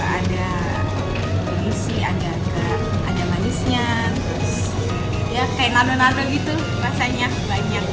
ada isi ada manisnya terus ya kayak nanonan gitu rasanya banyak